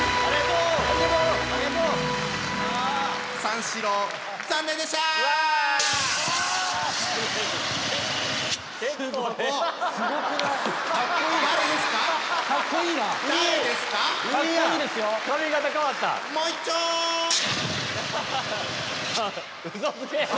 うそつけ！